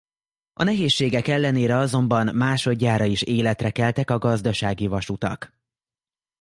A nehézségek ellenére azonban másodjára is életre keltek a gazdasági vasutak.